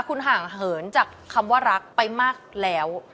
คุณห่างเหินจากคำว่ารักไปมากแล้ว